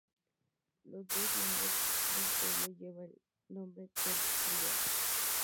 Los dos nombres del pueblo lleva el nombre del río Hay.